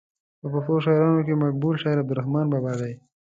په پښتو شاعرانو کې مقبول شاعر عبدالرحمان بابا دی.